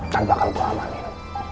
dan bakal gue amanin